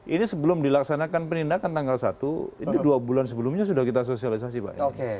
ini sebelum dilaksanakan penindakan tanggal satu ini dua bulan sebelumnya sudah kita sosialisasi pak